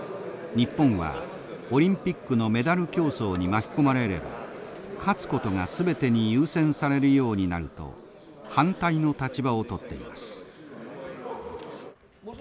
日本はオリンピックのメダル競争に巻き込まれれば勝つことが全てに優先されるようになると反対の立場をとっています。